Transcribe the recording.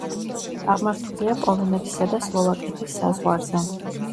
აღმართულია პოლონეთისა და სლოვაკეთის საზღვარზე.